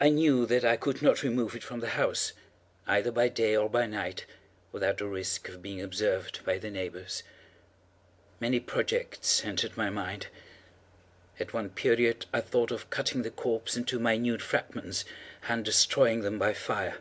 I knew that I could not remove it from the house, either by day or by night, without the risk of being observed by the neighbors. Many projects entered my mind. At one period I thought of cutting the corpse into minute fragments, and destroying them by fire.